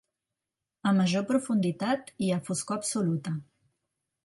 A major profunditat, hi ha foscor absoluta.